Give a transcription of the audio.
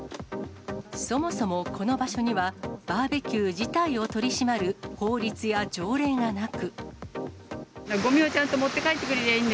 そもそもこの場所には、バーベキュー自体を取り締まる法律や条例がなく。